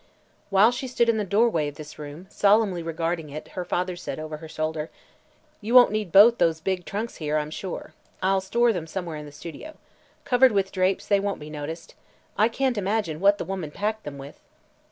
While she stood in the doorway of this room, solemnly regarding it, her father said over her shoulder: "You won't need both those big trunks here, I'm sure. I'll store them somewhere in the studio. Covered with drapes, they won't be noticed. I can't imagine what that woman packed them with."